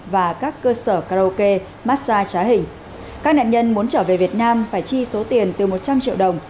và các cơ sở karaoke massage trá hình các nạn nhân muốn trở về việt nam phải chi số tiền từ một trăm linh triệu đồng